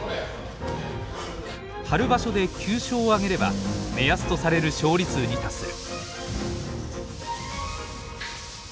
春場所で９勝を挙げれば目安とされる勝利数に達する。